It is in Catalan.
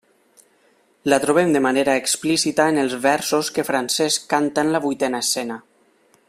La trobem de manera explícita en els versos que Francesc canta en la vuitena escena.